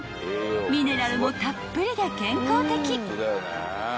［ミネラルもたっぷりで健康的］